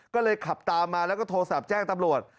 ก็เลยขับตามมาแล้วก็โทรศัพท์แจ้งตำรวจ